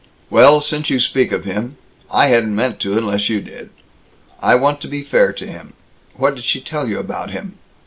"Well, since you speak of him I hadn't meant to, unless you did. I want to be fair to him. What did she tell you about him?"